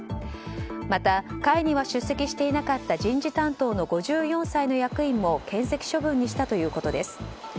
また会には出席していなかった人事担当の５４歳の役員もけん責処分にしたということです。